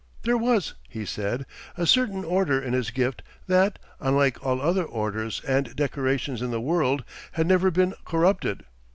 There was, he said, a certain order in his gift that, unlike all other orders and decorations in the world, had never been corrupted.